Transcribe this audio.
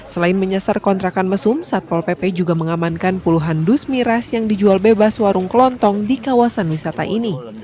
selain menyasar kontrakan mesum satpol pp juga mengamankan puluhan dus miras yang dijual bebas warung kelontong di kawasan wisata ini